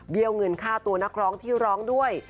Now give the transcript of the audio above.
เงินค่าตัวนักร้องที่ร้องด้วย